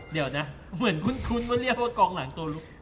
เดี๋ยวนะเหมือนคุ้นว่าเรียกว่ากองหลังตัวลุก